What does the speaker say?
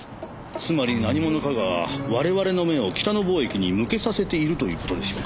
つまり何者かが我々の目を北野貿易に向けさせているという事でしょうか？